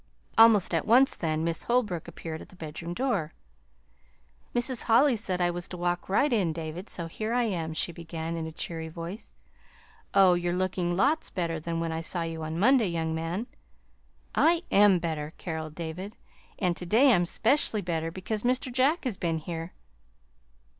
Almost at once, then, Miss Holbrook appeared at the bedroom door. "Mrs. Holly said I was to walk right in, David, so here I am," she began, in a cheery voice. "Oh, you're looking lots better than when I saw you Monday, young man!" "I am better," caroled David; "and to day I'm 'specially better, because Mr. Jack has been here."